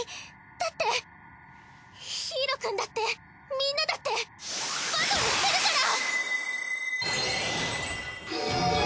だってヒイロくんだってみんなだってバトルしてるから！